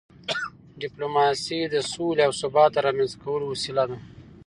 ډیپلوماسي د سولې او ثبات د رامنځته کولو وسیله ده.